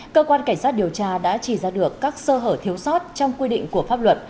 cơ quan cảnh sát điều tra đã chỉ ra được các sơ hở thiếu sót trong quy định của pháp luật